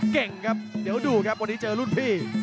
เก่งครับเดี๋ยวดูครับวันนี้เจอรุ่นพี่